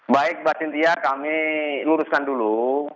baik mbak cynthia kami luruskan dulu